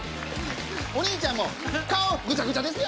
お兄ちゃんも顔ぐちゃぐちゃですよ！